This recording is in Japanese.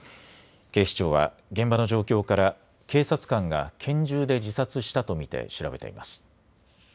警視庁は現場の状況から警察官が拳銃で自殺したと見て調べています。